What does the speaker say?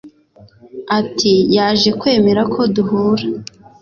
Ati “Yaje kwemera ko duhura